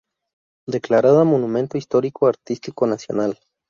Declarada Monumento Histórico Artístico nacional.